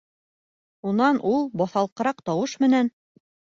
Унан ул баҫалҡыраҡ тауыш менән: